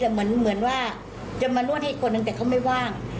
เหมือนว่าจะมาล้วนให้คนแต่เขาไม่ว่าง